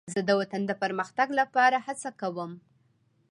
زه د وطن د پرمختګ لپاره هڅه کوم.